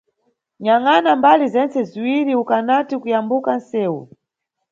Nyangʼana mbali zentse ziwiri ukanati kuyambuka nʼsewu.